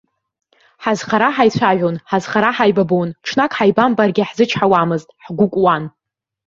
Ҳазхара ҳаицәажәон, ҳазхара ҳаибабон, ҽнак ҳаибамбаргьы ҳзычҳауамызт, ҳгәыкуан.